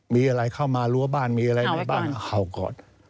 มีอะไรเข้ามารั้วบ้านมีอะไรมาบ้างเห่าก่อน